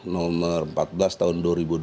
nomor empat belas tahun dua ribu dua puluh